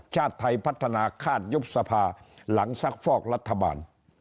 ชาติไทยพัฒนาคาดยุบสภาหลังซักฟอกรัฐบาล